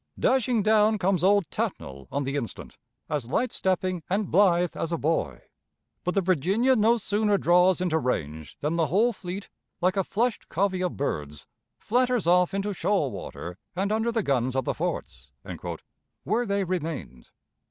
Dashing down comes old Tatnall on the instant, as light stepping and blithe as a boy. ... But the Virginia no sooner draws into range than the whole fleet, like a flushed covey of birds, flatters off into shoal water and under the guns of the forts" where they remained.